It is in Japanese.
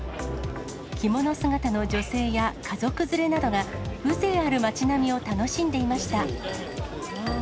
着物姿の女性や家族連れなどが、風情ある町並みを楽しんでいました。